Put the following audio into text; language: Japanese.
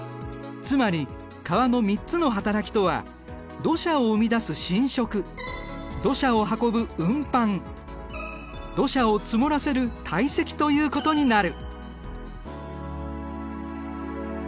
つまり川の３つのはたらきとは土砂を生み出す侵食土砂を運ぶ運搬土砂を積もらせる堆積ということになる。